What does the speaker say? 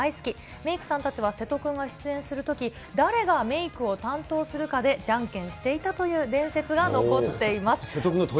メークさんたちは瀬戸君が出演するとき、誰がメークを担当するかで、じゃんけんしていたという伝説が残っています。